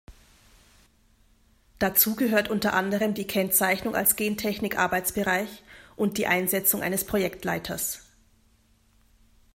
Dazu gehört unter anderem die Kennzeichnung als Gentechnik-Arbeitsbereich und die Einsetzung eines Projektleiters.